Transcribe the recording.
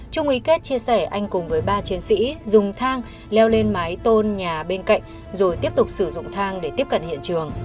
trung ý kết chia sẻ anh cùng với ba chiến sĩ dùng thang leo lên mái tôn nhà bên cạnh rồi tiếp tục sử dụng thang để tiếp cận hiện trường